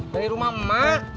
dari rumah mak